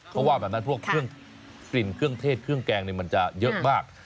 เพราะว่าแบบนั้นพวกกลิ่นเครื่องเทศเครื่องแกงนี่มันจะเยอะมาก